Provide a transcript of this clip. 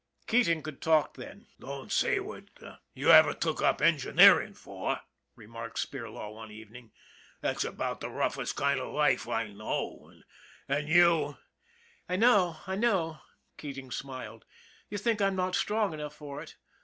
Keating could talk then. " Don't see what you ever took up engineerin' for," remarked Spirlaw one evening. " It's about the rough est kind of a life I know of, an* you '" I know, I know," Keating smiled. " You think I'm not strong enough for it.